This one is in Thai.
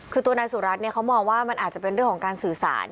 คือตัวนายสุรัตน์เขามองว่ามันอาจจะเป็นเรื่องของการสื่อสาร